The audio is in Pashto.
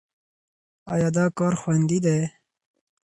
ایا دا کار خوندي دی؟